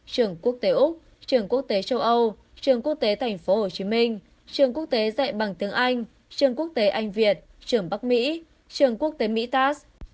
trường quốc tế úc trường quốc tế châu âu trường quốc tế tp hcm trường quốc tế dạy bằng tiếng anh trường quốc tế anh việt trường bắc mỹ trường quốc tế mỹ tas